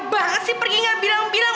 tega banget sih pergi gak bilang bilang